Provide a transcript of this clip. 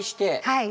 はい。